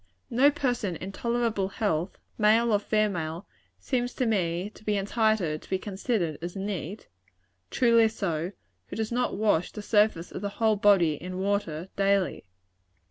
No person in tolerable health, male or female, seems to me to be entitled to be considered as neat truly so who does not wash the surface of the whole body in water, daily.